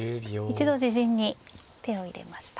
一度自陣に手を入れました。